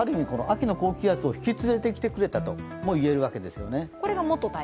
秋の高気圧を引き連れてきてくれたといえるわけです。